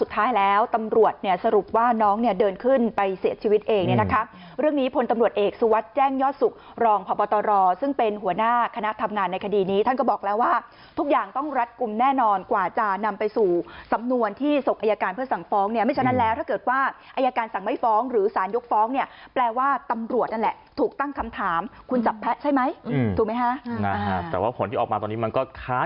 แต่ว่าผลที่ออกมาตอนนี้มันก็ค้านความรู้สึกของคนแหละ